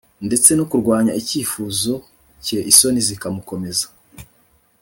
Ndetse no kurwanya icyifuzo cye isoni zimukomeza